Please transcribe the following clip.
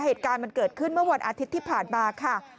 เหตุการณ์มันเกิดขึ้นเมื่อวันอาทิตย์ที่ผ่านมาค่ะ